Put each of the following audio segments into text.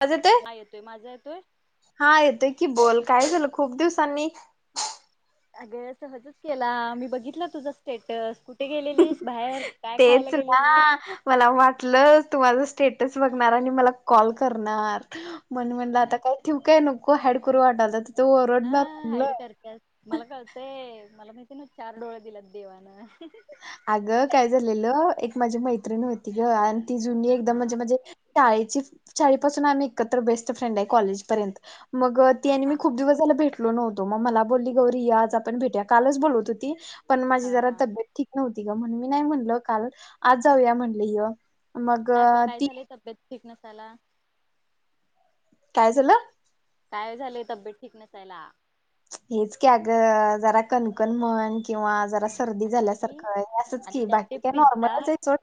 अ ते नाही येतोय माझा येतोय हा येतोय की बोल काय झालं खूप दिवसांनी अग सहजच केला मी बघितला तुझा स्टेटस कुठ गेलेलीस बाहेर काय खायला तेच ना गेलेलीस मला वाटलं तु माझ स्टेटस बघणार आणि मला कॉल करणार मण म्हणलं आता काय ठेवकय नको हॅड करुर वाटालं हा आईड करतात मला कळतय मला माहिती ना चार डोळे दिलात देवानं अगं काय झालेलं एक माझी मैत्रिणी होती ग आणि ती जुनी हा एकदम हा म्हणजे हा म्हणजे शाळेची शाळेपासून आम्ही एकत्र बेस्ट फ्रेंड आहे कॉलेजपर्यंत मग हा तीने मी हा खूप दिवसाला भेट तो मग मला बली गौरी आज आपण भेट कालच बोलत होती पण हा माझी जरा हा तबेत नव्हती ग म्हण मी नाही म्हणल काल आज जाऊया म्हणले ह मग ती एकनाथ आला काय झालं काय झालंय तब्येत ठीक नसायला हेच क ग जरा कणकण मन किंवा जरा सर्दी आणि झाल्यासारखं आहे असंच आणि की त्यात ते बाकी काय पिझ्झा नॉर्मलच आहे चो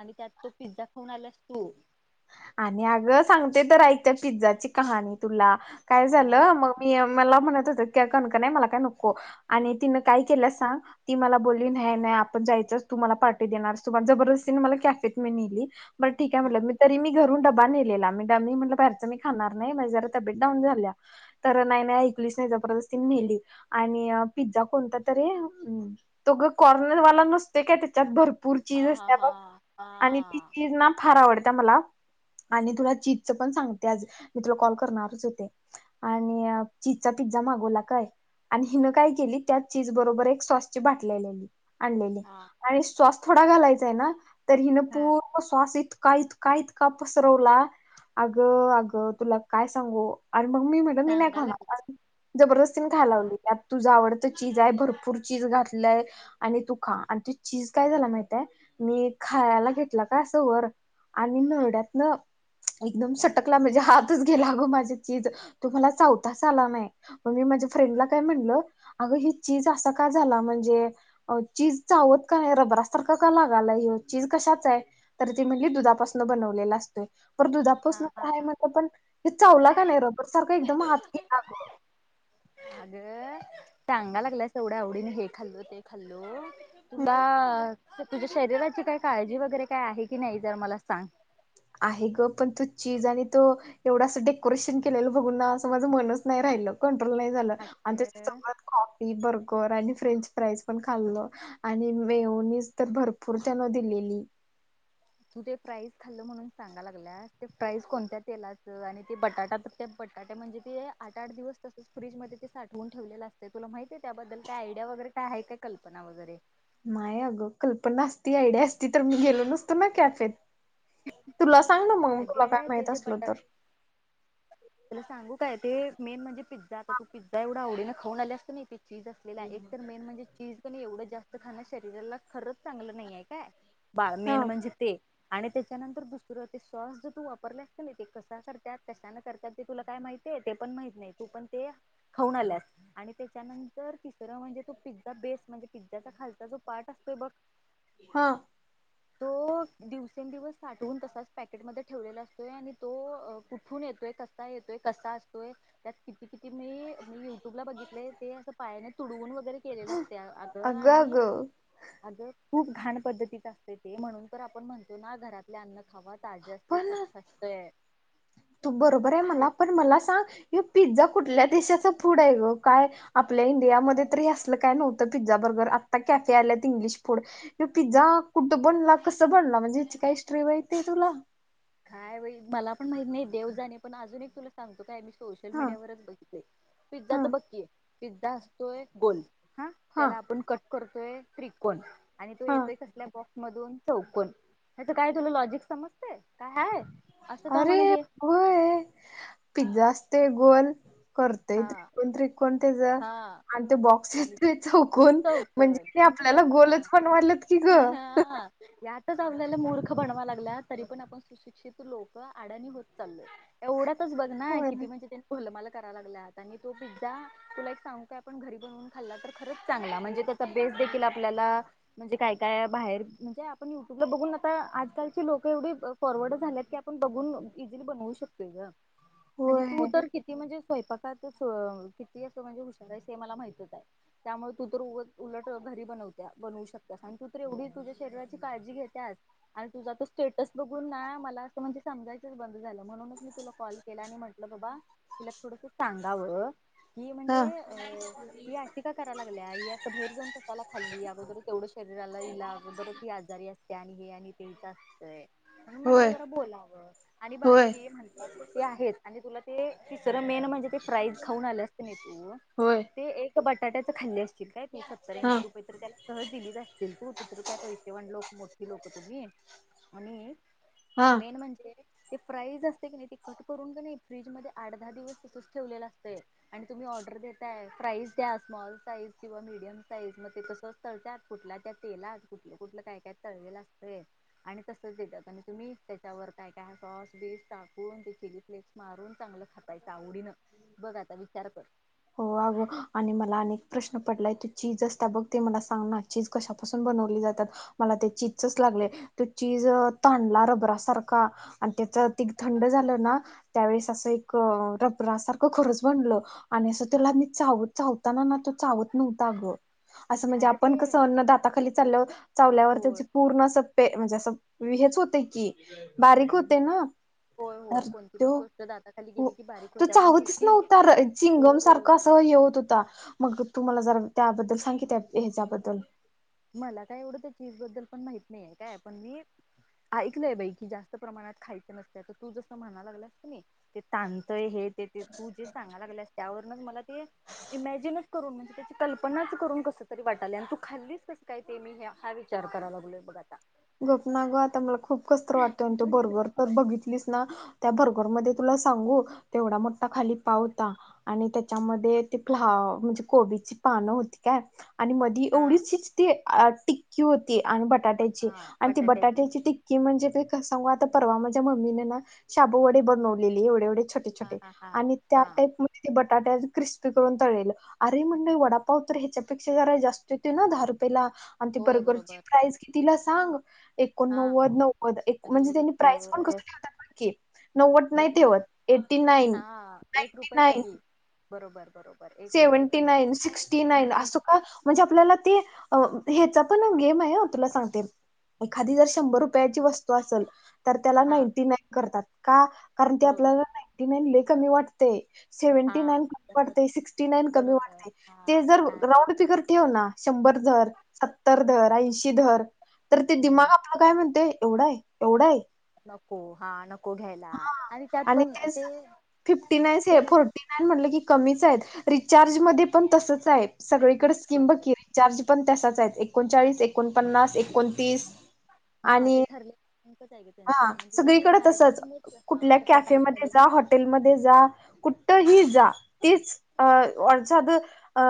आणि त्यात तो पिझ्झा खाऊन आलास तू आणि अगं सांगते तर ऐक पिझ्झाची कहाणी तुला काय बर झालं मग मी मला म्हणत होत काणक नाही मला काय नको आणि तिनं काय केलं सांग ती मला बोलली नाही नाही आपण जायचंच तू मला पाठी देणार तुम्हाला जबरदस्तीने मला कॅफेेत मी नेली बर ठीक आहे हा म्हटलं मी ी घरून डबा नेलेला मीडनी म्हटलं बाहेरचं मी खाणार नाही माणे जरा तबेट डाऊन झाल्या. तर नाही नाही ऐकलीच नाही जबरदस्ती नेली आणि पिझ्झा कोणता तरी तोघं कॉर्नरवाला नसते काय त्याच्यात भरपूर हा चीज असते हा बघ हा आणि ती चीज ना. फार आवडत मला आणि तुला जीदच पण सांगते आज मी तुला कॉल करणारच होते. आणि चिजचा पिझ्झा मागवला काय? आणि हिनं काय केली त्याच चीज बरोबर एक सॉसची बाटल्यालेली आणलेली हा आणि सॉस थोडा घालायचाय ना तर हिन हा पू सॉस इतका इत का इतका पसरवला अग अगं तुला काय सांगू. अर मग मी म्हट मी नाही सांगायला लागला खाणार जबरदस्तीने खायला हा लावली त्या तुझा आवडतं चीज आहे भरपूर चीज घातलंय. आणि तू खा आणि तू चीज काय झाला माहितय मी खायला घेतलं काय असं वर आणि नरड्यात ना. एकदम सटकला म्हणजे हातच गेला अगं माझे चीज तुम्हाला चावताच आला नाही. मग मी माझ्या फ्रेंडला काय म्हणलं अगं ही चीज असा का झाला म्हणजे चीज चावत का नाही रबरा सारखं का लागालाय चीज कशाच आहे तर ती म्हणली दुधा बनवले असतोय हा हा हा दुधापासनय म्हण प हे चावलं का नाही रबर सारखा एकदम हात घेतला ग. अगं टांगा लागलाच एवढ्या आवडीने हे खाल्लो ते खाल्लो. तुला तुझ्या शरीराची काही काळजी वगैरे काय आहे की नाही जर मला सांग. आहे ग पण तो चीज आणि तो एवढं असं डेकोरेशन केलेलं बघून ना असं माझं मनच नाही राहिलं कंट्रोल नाही. झा त्याच्या अगं सोबत कॉफी बर्गर आणि फ्रेंच फ्राई पण खाल्लं. आणि वेहनीच तर भरपूर त्यान दिलेली तू ते प्राइस खाल्ल म्हणून सांगा लागल्यास ते प्राइस कोणत्या तेलाचं आणि ते बटाटा ते बटाटे म्हणजे ते आठ आठ दिवस तसंच फ्रीजमध्ये ते साठवून ठेवलेलं असते तुला माहिती आहे त्याबद्दल काय आयडिया वगैरे आहे काय कल्पना वगैरे माय अगं कल्पना असती आयडिया असती तर मी गेलो नसतो ना कॅफेत तुला सांग ना मग तुला काय अगे माहित असल तर तला सांगू काय ते मेन म्हणजे पिझ्झा आता तू पझ्झ एवढ आवडी ना खाऊ आली असत ना नाही ती चीज असते. एक तर मेन म्हणजे चीज पण एवढं जास्त खाण्या शरीराला खरंच चांगलं नाहीे काय? बाळ हा मेन म्हणजे ते आणि त्याच्यानंतर दुसरं ते सॉस ज तू वापरले असत ना ते कसा करतात कशा न करतात. ते तुला काय माहितय ते पण माहित नाही तू पण ते खाऊन आल्यास. आणि त्याच्यानंतर तिसरं म्हणजे तो पिझ्झा बेस म्हणजे पिझ्झाचा खालचा जो पार्ट असतोय बघ. [unintelligible] हा. [inaudible] तो दिवसेंदिवस साठवून तसाच पॅकेटमध्ये ठेवलेला असतोय आणि तो कुठून येतोय कसा? कसा येतोय कसा असतोय. त्यात किती किती मी युट्यूब ला बघितले ते असं पायाने तुडवून वगैरे केलेलं असते अगं आणि अगं खूप घाण पद्धतीत असते ते म्हणून तर आपण म्हणतो ना घरातले अन्न खाव. तज्या असते पण स्वत असत आहे. तू बरोबर आहे मला पण मला सांग हे पिझ्झा कुठल्या देशाच फूड आहे ग काय? आपल्या इंडियामध्ये तरी असलं काय नव्हतं पिझ्झा बर्गर आत्ता कॅफे आल्यात इंग्लिश फूड पिझ्झा कुठं बनला कसं बनला म्हणजे याची काय स्ट्री माहितीय तुला? कायई मला पण माहित नाही देव जाणे पण अजून एक तुला सांगतो काय मी सोो सोशल हा मीडिया वच बघितय पिझ्झा हा तर बक्की आहे पिझ्झा असतोय गोल्ड. हा त्याला आपण कट करतोय त्रिकोण आणि तो हा येतोय कसल्या बॉक्स मधून चौकण हच काय तुला लॉजिक समजते काय आहे अरेय पिझ्झा असते गोल करतय हा त्रिकोण त्रिकोण त्याचा हा आणि ते बॉक्स आणि येतय चौकून चौकन म्हणजे ते आपल्याला बघ ना गोलच पण वाटलत की ग हा यातच आपल्याला मूर्ख बनवा लागला तरी पण आपण शिक्ित लोक आडाणी होत चाल एवढाच बघ ना होय किती म्हणजेनीलं मला लागला आणि तो पिझ्झा तुला एक सांगू काय आपण घरी बनवून खाल्ला तर खरंच चांगला म्हणजे त्याचा बेस देखील आपल्याला म्हणजे काय काय बाहेर म्हणजे आपण युट्यूबला बघून आता आजकालची लोक एवढी फॉरवर्ड झाल्यात की आपण बघून इिली बनवू शकतोय ग आणि तू होय तर किती म्हणजे स्वयंपाकात किती असं म्हणजे हुशार आहे हे मला माहितत आहे त्यामुळे तू तर उलट उलट घरी बनवत बनवू शकतास आणि तू तर एवढी तुझ्या शरीराची काळजी घेत्यास आणि तुझा तर स्टेटस बघून ना मला असं म्हणजे समजायच बंद झालं म्हणूनच मी तुला कॉल ला म्हटलं बाबा तिला थोडस सांगाव की हा म्हणजे अ ती अशी कराय लागल्या असता बाहेर जाऊन कसाला खाल्ली अगोदरच तेवढं शरीराला इईला अगोदरच आजारी असते आणि हे आणि ते म्हणून म्हंटलं होय जरा बोलावं आणि होय बाकी म्हणतात ते आहेच आणि तुला ते ति सरं मेन म्हणजे ते फ्राईज खाऊन आले असते न तून होय ते एक बटाट्यां खाल्ली असतील काय तू हा सत्तर्याऐंशी रुपये तर त्याला सहज दिलीत असतील तू तितर काय पैसे वा लोक मोठी लोक तुम्ही आणि हा. मेन म्हणजे ते फ्राईज असते की नाही ते कट करून क नाही फ्रीज म आ दहा दिवस तिथच ठेवलेला असतंय आणि तुम्ही ऑर्डर देताय प्राईज द्या स्मॉल साईज किंवा मीडियम साईज मध्ये तसं तळतात कुठल्या त्या तेलात कुठलं कुठलं काय काय तळवेल असतं आणि तसच देतात आणि तुम्ही त्याच्यावर काय काय सॉस बी टाकून ते चिली फ्लेक्स मारून चांगलं खात आवडीनं बघा आता विचार कर हो अगं आणि मला अनेक प्रश्न पडलाय तू चीज असता बघ ते मला सांग ना चीज कशापासून बनवली जातात मला ते चीजच लागले तो चीज तांडला रबरा सारखा आणि त्याच तीघ थंड झालं ना त्यावेळेस असं एक रबरा सारखं खरंच बनलं आणि असं तुला मी चावत चावताना ना तो चावत नव्हता अगं असं म्हणजे अगं ते आपण कसं अन्नदाता खाली चाल्या चावल्यावर होय त्याची पूर्ण अस प म्हणजे असं हेच होते की बारीक होते ना होय होय तर कोणती पण तो गोष्ट दाताली हो गेली की बा तो चावतच नव्हता चिंगम होय सारखं अस होय हे होत होता मग तुम्हाला जर त्याबद्दल सांगित त्या हच्याबद्दल मला काय एवडं चीज बद्दल पण माहित नाहीये काय पण मी ऐकलंय बाई कि जास्त प्रमाणात खायचं नसत तर तू जस म्हणाला लागलास की नाही ते तांणतय हे ते ते तू जे सांगाला लागलस त्यावरूनच मला ते इमॅजिन करून म्हणजे त्याची कल्पनाच करून कस तरी वाटाली आणि तू खाल्लीच काय ते मी हे हा विचार कराव लागलोय बघ आता गप ना ग आता मला खूप कसंतरी वाटत आणि तू बरोबर तर बघितलीस ना त्या बर्गर मध्ये तुला सांगू तेवढा मोठा खाली पावता आणि त्याच्यामध्ये ते फ म्हणजे कोबीची पानं होती काय आणि मधी हा एवढीच ते टिक्की होती आणि बटाट्याची आणि ती बटाट्याची टिक की म्हणजे त सांगू आता परवा माझ्या मम्मी न ना शाबू वडे बनवलेली एवेवढे छ हा छोटे-छोटे हा हा आणि त्या हा टाईप म ते बटाट्या क्रिस्पी करून तळलेलं अरे म्हण वडापावत ह्याच्यापेक्षा जरा जास्त होती ना दहा रुपयाला आणि ती होय बर्गरची बरोबर प्राइज कितीला सांग हा एकोणनव्वद नव्वद म्हणजे आई त्यांनी प्राइज पण कस ग ठेवतात बघ की नव्वद बघ नाही ना तेवत एट्टी नाईन हा एक नाईंटी रुपये नाईन कमी बरोबर बरोबर एक रुपये सेव्हं्टी कमी नाईन सिक्स्टी नाईन असं का म्हणजे आपल्याला ते हेचा पण गेम आहे तुला सांगते एखादी जर शंभर रुप शंभर रुपयाची वस्तू असल तर त्याला हा नाईंटी नाईन करतात का कारण ते बरोबर आपल्याला कारण ते आपल्याला [unintelligible] [unintelligible] लय कमी वाटतंय हा सेवनाटी नाईन कमी वाटतंय सिक्सटी नाईन फिफ्टी नाईन कमी बरोबर वाटतंय ते हा जर छान राऊंड फिगर ठेव ना शंभर धर सत्तर धर आइशी धर तर ते हम्म दिमाग आपलं मला काय म्हणतेय एवढा आहे एवढा आहे नको हा नको घ्यायला हा आणि त्यात पण ते फिफ्टी नाईन ते फोर्टी नाईन म्हटलं की कमीच आहेत रिचार्ज मध्ये पण तसच आहे सगळीकडे स्कीम बरोबर बकी रे चार्ज पण तसाच आहे एकोणचाळीस एकोणपन्नास एकोणतीस हा आणि ते ठरले [unintelligible] हा म्हणजे त्यांनी सगळीकडे तसच मार्केटिंगच हा कुठल्या तशा टाईप कॅफेमध्ये मध्ये जा करतात हॉटेल मध्ये जा कु तर ही जा तच अ वषद अ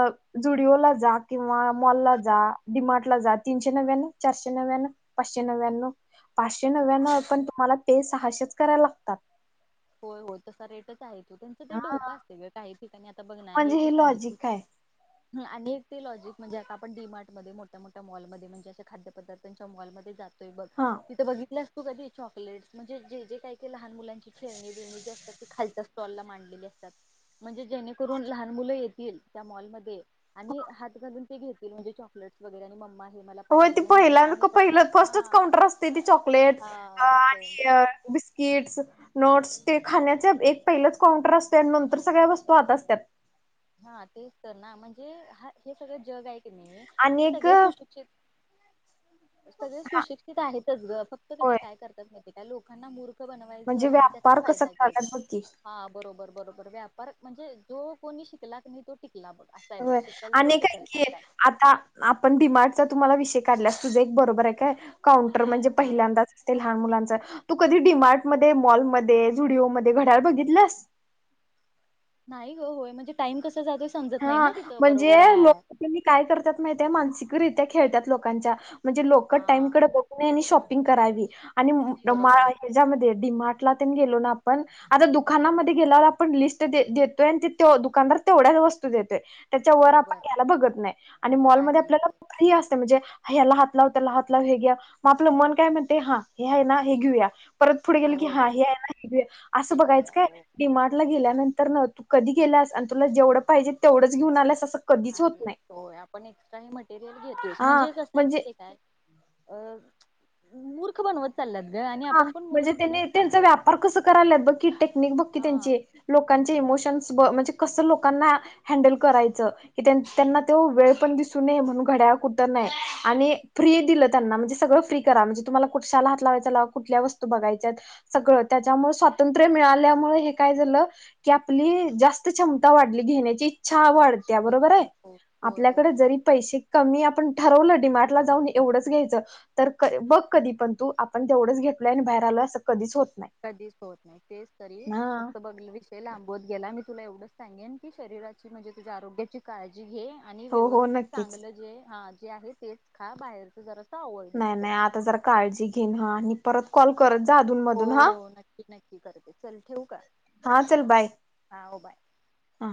जुडिओ ला जा किंवा मॉल ला जा डिमार्ट ला जा तीनशे नव्यान चारशे नव्यान पाचशे नव्याण्णव पाचशे नव्याण्णव पण तुम्हाला तेे सहाशेच करायला लागतात होय हो तसा रेटच आहे तो त्यां ते हा डोकं असते काही ठिकाणी आता बघ ना हे म्हणजे तू लॉजिक आहे सांगितली आणि ते लॉजिक म्हणजे आपण डी मार्ट मध्ये मोठ्या-मोठ्या मॉल मध्ये म्हणजे असे खाद्यपदार्थांच्या मॉलमध्ये जातोय बघ. [inaudible] तिथे बघितलं तू कधी चॉकलेटस म्हणजे जे ज काय लहान मुलां खेळणी बिळणी जे असतात ते खालच्या स्टॉलला मांडलेले असतात म्हणजे जेणेकरून लहान मुलं येतील त्या मॉलमध्ये आणि हात घालून ते घेतील म्हणजे चॉकलेट्स वगैरे आणि मम्मा हे मला हो पाहिजे ती मग पहिल्या मम्मा आणि पहिलं पप्पा हा फर्स्टच काउंटर असते ती चॉकलेट हा सेम सेम आणि बिस किट्स नोट्स ते खाण्याचे एक पहिलंच काउंटर असते आणि नंतर सगळ्या वस्तू आत असतात. हा तेच तर ना म्हणजे हा हे सगळं जग आहे आणि ते एक सगळे हा सुशिक्षित सगळे सुशिक्ष ते तर आहेतच ग फक्त नाही होय काय करतच त्या लोकांना मूर मूर्ख बनवायचं म्हणजे आणि त्याचा व्यापार कसा फायदा करायलात बघ की घ्यायचा हा बरोबर-बरोबर व्यापार म्हणजे जो कोणी शिकला नाही तो टिकला बघ असाय बघ होय शिकल तो आणि काय टिकल असाय की हाय आता आपण डिमार्गचा तुम्हाला विषय काढल्यास तुझे एक बरोबर आहे काय काउं म्हणजे आहे पहिल्यांदाच लहान मुलांच तू कधी डिमार्ट मध्ये मॉलमध्येध्ये जुडिओमध्ये घड्याळ बघितलंस नाही ग होय म्हणजे टाइम कसं जातोय समजत नाही हा ना तिथं म्हणजे बरोबर लोक आहे काय करतात मा मानसिकरित्या खेळतात लोकांच्या म्हणजे लोक हा टाईमकडे नी शॉपिंग करावी आणि बरोबर हच्यामध्ये डीमार्टला त्यांनी गेलो ना आपण आता दुकानामध्ये गेल्यावर आपण लिस्ट देतोय आणि ते दुकानदार तेवढ्याच वस्त दोय त्याच्या वर बरोबर आपण यायला बघत नाही आणि मॉलमध्ये नाही आपल्याला का असते म्हणजे ह्याला हात लाव त्याला हात लाव हे घ्या मग आपलं मन काय म्हणते हा हे आहे ना हे घेऊया परत पुढे गेलं की हो हा हे बरोबर आहे ना हे असं ते बघायचं घेऊया काय हो डिमार्टला गेल्यानंतर न तू कधी गेलास आणि तुला जेवढं पाहिजे तेवढंच घेऊन आलास असं कधीच होत नाही. तोय आपण एक्स्ट्रा हे मटेरियल घेतेस हा म्हणजे कसं आहे म्हणजे ते काय अ मूर्ख बनवत चालत ग हा आपण पण मूर्ख म्हणजे बनत त्यांनी त्यांचा चाललोय बघ व्यापार कस करायला बघकीी टेक्निक बघकी हा त्यांची लोकांचे इमोशन्स ब म्हणजे कसं लोकांना हँडल करायचं की त्यांना तो वेळ पण दिसू नये म्हणून घड्याळ कुतर नाही आणि फ्री दिलं त्यांना म्हणजे सगळं फ्री करा म्हणजे तुम्हाला कुठशाला हात लावायचा लाव कुठल्या वस्तू बघायच्यात सगळं त्याच्यामुळे स्वातंत्र्य मिळाल्यामुळे हे काय झालं की आपली जास्त क्षमता वाढली घेण्याची इच्छा वाढते त्या बरोबर आहे हो होय आपल्याकडे बरोबर जरी पैसे कमी आपण ठरवलं डिमार्ट ला जाऊन एवढंच घ्यायचं तर बघ कधी पण तू आपण तेवढंच घेतलय आणि बाहेर आलय असं कधीच होत नाही कधीच होत नाही तेच तरी हा. फक्त बघ वि ते लांबवत गेला मी तुला एवढंच सांगेन की शरीराची म्हणजे तुझ्या आरोग्याची काळजी घे आणि हो हो व्यवस्थित नक्कीच चांगलं जे ह जे आहे तेच खा बाहेरच जरा नाही नाही आता जर काळजी घेन ह आणि परत कॉल करत जा अधून हो मधून हा हो नक्की नक्की करते चल ठेवू का हा चल बाय हा हो बाय हा.